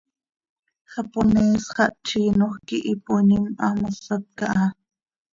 Japonees xah tziinoj quih ipooinim, haa mosat caha.